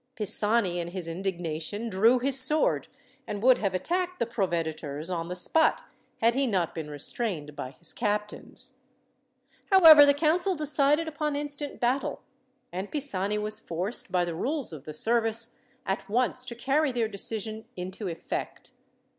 Pisani in his indignation drew his sword, and would have attacked the proveditors on the spot, had he not been restrained by his captains. However, the council decided upon instant battle, and Pisani was forced, by the rules of the service, at once to carry their decision into effect.